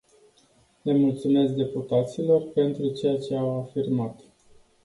Le mulțumesc deputaților pentru ceea ce au afirmat.